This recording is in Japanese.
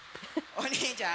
お兄ちゃん？